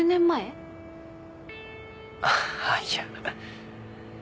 あっいや。